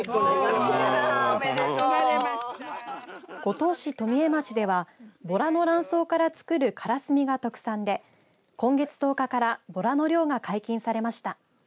五島市富江町ではぼらの卵巣から作るからすみが特産で今月１０日からぼらの漁が解禁されました。